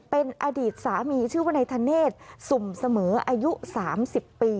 เป็นอดีตสามีชื่อว่านายธเนธสุ่มเสมออายุ๓๐ปี